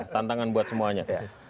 tantangan buat semuanya